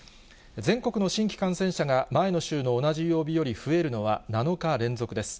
全国の新規感染者が前の週の同じ曜日より増えるのは７日連続です。